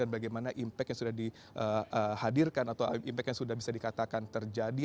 dan bagaimana impact yang sudah dihadirkan atau impact yang sudah bisa dikatakan terjadi